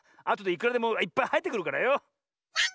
あとでいくらでもいっぱいはえてくるからよ。